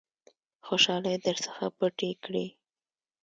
خوشالۍ در څخه پټې کړي .